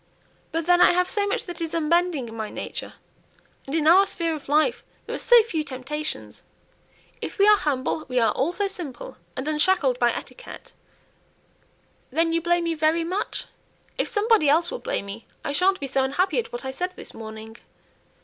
But then I have so much that is unbending in my nature, and in our sphere of life there are so few temptations. If we are humble, we are also simple, and unshackled by etiquette." "Then you blame me very much? If somebody else will blame me, I sha'n't be so unhappy at what I said this morning."